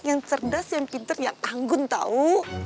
yang cerdas yang pinter yang anggun tahu